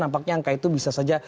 nampaknya angka itu bisa saja